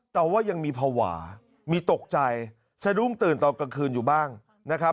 แต่ว่ายังมีภาวะมีตกใจสะดุ้งตื่นตอนกลางคืนอยู่บ้างนะครับ